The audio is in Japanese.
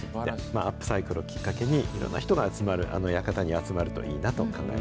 アップサイクルをきっかけに、いろんな人が集まる、あの館に集まるといいなと考え